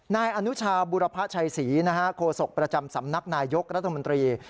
นายอนุชาบุรพชัยศรีโคศกประจำสำนักนายยกรัฐมนตรี